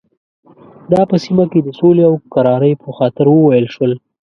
دا په سیمه کې د سولې او کرارۍ په خاطر وویل شول.